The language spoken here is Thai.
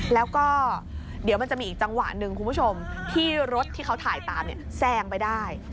แล้วก็เดี๋ยวมันจะมีอีกจังหวะหนึ่งคุณผู้ชมที่รถที่เขาถ่ายตามเนี่ยแซงไปได้